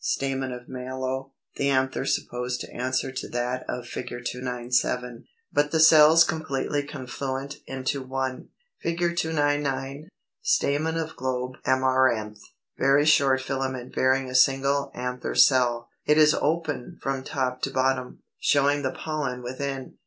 Stamen of Mallow; the anther supposed to answer to that of Fig. 297, but the cells completely confluent into one.] [Illustration: Fig. 299. Stamen of Globe Amaranth; very short filament bearing a single anther cell; it is open from top to bottom, showing the pollen within.